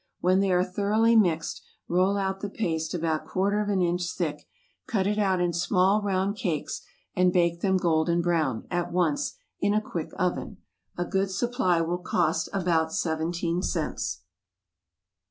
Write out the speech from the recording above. When they are thoroughly mixed, roll out the paste about quarter of an inch thick, cut it out in small round cakes, and bake them golden brown, at once, in a quick oven. A good supply will cost about seventeen cents.